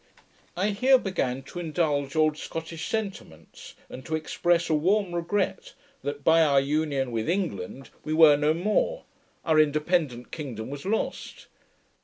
I here began to indulge old Scottish sentiments, and to express a warm regret, that, by our union with England, we were no more our independent kingdom was lost.